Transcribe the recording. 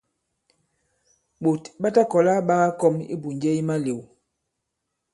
Ɓòt ɓa ta kɔ̀la ɓa kakɔm ibùnje i malew.